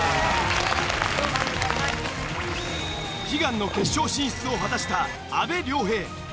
悲願の決勝進出を果たした阿部亮平。